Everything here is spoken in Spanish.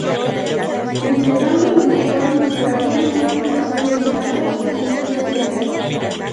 Completando el uniforme llevarían unos calzones blancos y medias negras.